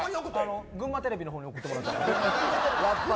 群馬テレビのほうに送ってもらえれば。